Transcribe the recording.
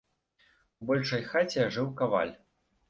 У большай хаце жыў каваль.